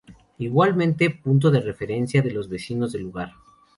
Igualmente, punto de referencia de los vecinos del lugar.